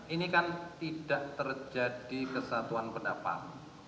ini kan tidak terjadi kesatuan pendapat